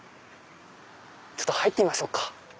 ちょっと入ってみましょうか。